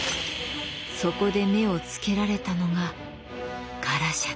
そこで目をつけられたのがガラシャでした。